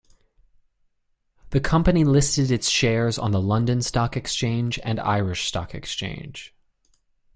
The company listed its shares on the London Stock Exchange and Irish Stock Exchange.